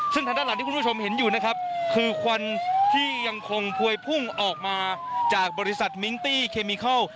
ซึ่งทางด้านหลังที่คุณผู้ชมเห็นอยู่นะครับคือควันที่ยังคงพวยพุ่งออกมาจากบริษัทมิงตี้เคมิเคิล